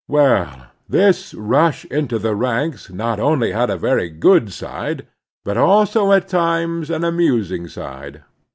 Well, this rush into the ranks not only had a very good side, but also at times an amusing side.